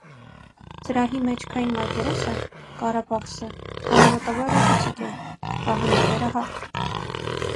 Զրահի մեջքային մակերեսը՝ կարապաքսը, համեմատաբար ուռուցիկ է, վահանիկները՝ հարթ։